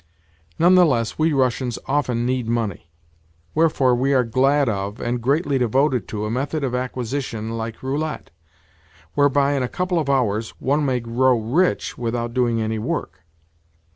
None the less we Russians often need money; wherefore, we are glad of, and greatly devoted to, a method of acquisition like roulette—whereby, in a couple of hours, one may grow rich without doing any work.